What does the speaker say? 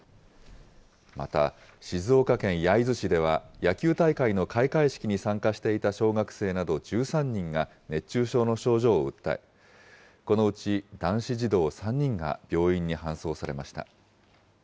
また、静岡県焼津市では野球大会の開会式に参加していた小学生など１３人が、熱中症の症状を訴え、このうち男子児童３人が病院に搬送されました。